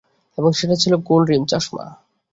এবং সেটা ছিল গোন্ড রিম চশমা।